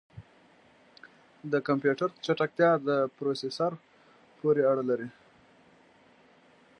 د کمپیوټر چټکتیا د پروسیسر پورې اړه لري.